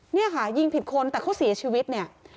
เนี่ยค่ะยิงผิดคนแต่เขาเสียชีวิตเนี่ย